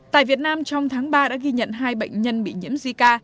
tại việt nam trong tháng ba đã ghi nhận hai bệnh nhân bị nhiễm zika